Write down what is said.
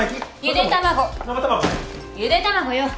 ゆで卵よ。